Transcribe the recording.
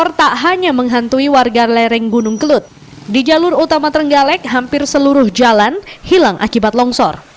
r tak hanya menghantui warga lereng gunung kelut di jalur utama trenggalek hampir seluruh jalan hilang akibat longsor